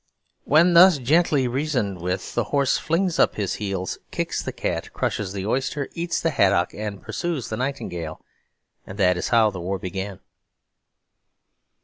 When thus gently reasoned with, the horse flings up his heels, kicks the cat, crushes the oyster, eats the haddock and pursues the nightingale, and that is how the war began.